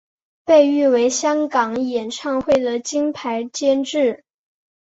被誉为香港演唱会的金牌监制。